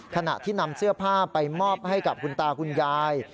ขณะที่นำเสื้อผ้าไปมอบให้กับคุณตาคุณยาย